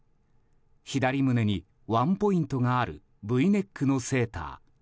左胸にワンポイントがあるＶネックのセーター。